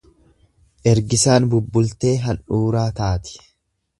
Ergisaan bubbultee handhuuraa taati.